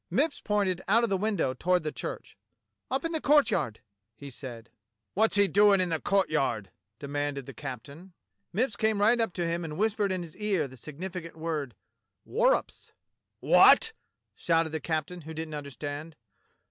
^" Mipps pointed out of the window toward the church. "Up in the churchyard," he said. "What's he doing in the churchyard.'^" demanded the captain. 28 DOCTOR SYN Mipps came right up to him and whispered in this ear the significant word, "Worrmnps!" What? " shouted the captain, who didn't understand.